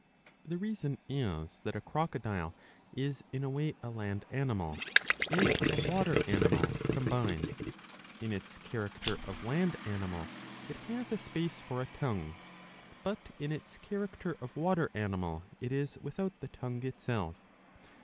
The reason is that a croco dile is in a way a land animal and a water animal combined. In its character of land animal it has a space for a tongue ; but in its character of water animal it is without the tongue itself.